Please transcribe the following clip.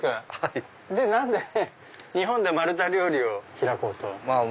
何で日本でマルタ料理を開こうと？